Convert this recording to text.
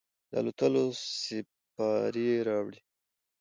د الوتلو سیپارې راوړي